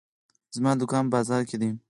زما دوکان په بازار کې ده.